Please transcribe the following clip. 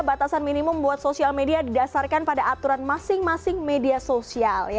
batasan minimum buat sosial media didasarkan pada aturan masing masing media sosial